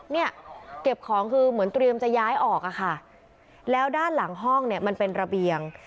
เนี่ยเก็บของคือเหมือนเตรียมจะย้ายออกอะค่ะแล้วด้านหลังห้องเนี่ยมันเป็นระเบียง